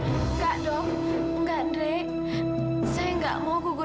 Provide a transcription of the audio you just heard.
enggak dong enggak drek saya enggak mau